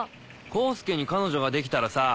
功介に彼女ができたらさぁ。